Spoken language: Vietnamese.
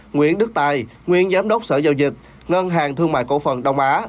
nguyễn đức tài nguyên giám đốc sở giao dịch ngân hàng thương mại cổ phần đông á